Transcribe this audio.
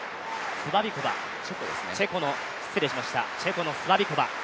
チェコのスバビコバ。